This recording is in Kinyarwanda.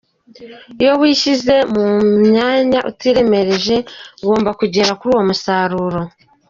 Iyo wishyize mu mwanya utiremereje ugomba kugera kuri uwo musaruro.